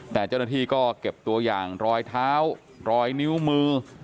แต่เจ้าหน้าที่ก็เก็บตัวอย่างรอยเท้ารอยนิ้วมือ